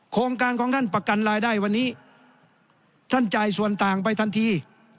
โครงการของท่านประกันรายได้วันนี้ท่านจ่ายส่วนต่างไปทันที